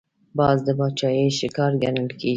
باز د باچاهۍ ښکار ګڼل کېږي